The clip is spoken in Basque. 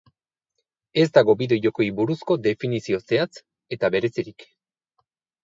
Ez dago bideo-jokoei buruzko definizio zehatz eta berezirik.